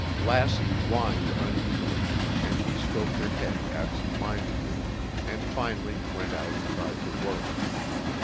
Lassie whined uneasily, and he stroked her head absent mindedly, and finally went out and tried to work.